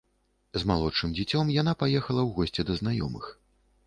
З малодшым дзіцём яна паехала ў госці да знаёмых.